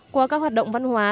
qua các hoạt động văn hóa